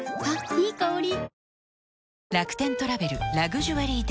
いい香り。